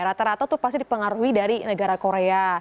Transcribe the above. rata rata tuh pasti dipengaruhi dari negara korea